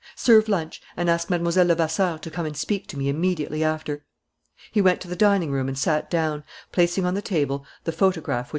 "Serve lunch; and ask Mlle. Levasseur to come and speak to me immediately after." He went to the dining room and sat down, placing on the table the photograph which M.